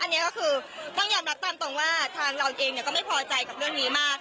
อันนี้ก็คือต้องยอมรับตามตรงว่าทางเราเองก็ไม่พอใจกับเรื่องนี้มาก